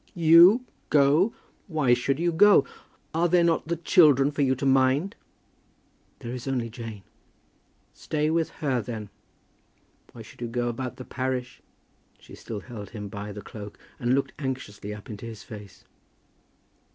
"You go! Why should you go? Are there not the children for you to mind?" "There is only Jane." "Stay with her, then. Why should you go about the parish?" She still held him by the cloak, and looked anxiously up into his face.